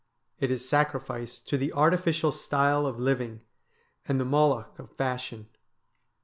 It is sacrificed to the artificial style of living and the Moloch of fashion.